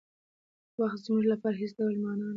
وخت زموږ لپاره هېڅ ډول مانا نهلري.